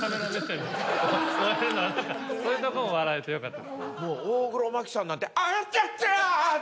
そういうとこも笑えてよかった。